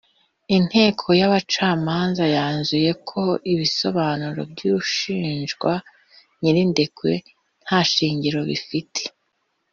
Inteko y’abacamanza yanzuye ko ibisobanuro by’ushinjwa (Nyirindekwe) nta shingiro bifite